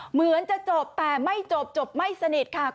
เหมือนจะจบแต่ไม่จบไม่สนิทค่ะคุณคะ